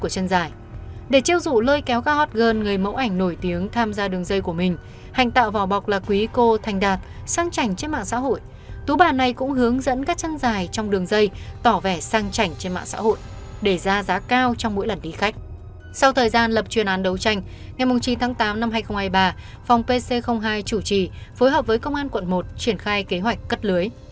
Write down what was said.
sau thời gian lập chuyên án đấu tranh ngày chín tháng tám năm hai nghìn hai mươi ba phòng pc hai chủ trì phối hợp với công an quận một triển khai kế hoạch cất lưới